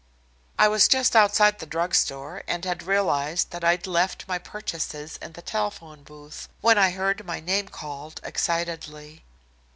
I was just outside the drug store, and had realized that I'd left my purchases in the telephone booth, when I heard my name called excitedly.